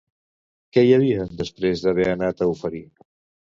Què hi havia després d'haver anat a oferir?